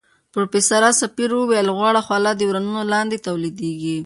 پروفیسوره سپېر وویل غوړه خوله د ورنونو لاندې تولیدېږي.